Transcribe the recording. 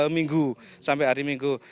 minggu sampai hari minggu